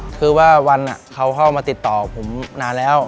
คือว่าวันเขาเข้ามาติดต่อผมนานแล้ว